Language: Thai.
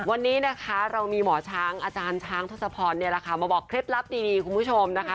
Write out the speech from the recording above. วันนี้นะคะเรามีหมอช้างอาจารย์ช้างทศพรเนี่ยแหละค่ะมาบอกเคล็ดลับดีคุณผู้ชมนะคะ